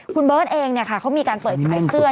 คุณเบิร์จเองเนี่ยค่ะเขามีการเปลี่ยนคลายเสื้อ